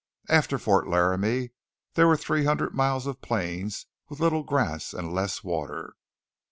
After Fort Laramie there were three hundred miles of plains, with little grass and less water.